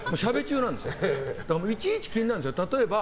いちいち気になるんですよ。